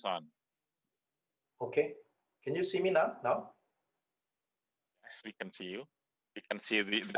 yang tinggi menghabiskan konsumsi